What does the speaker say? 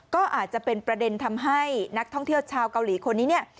ก็อาจจะเป็นประเด็นทำให้นักท่องเที่ยวชาวเกาหลีคนนี้เนี่ย